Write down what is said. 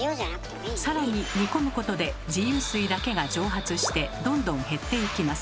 更に煮込むことで自由水だけが蒸発してどんどん減っていきます。